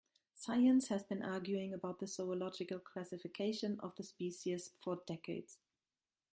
Science has been arguing about the zoological classification of the species for decades.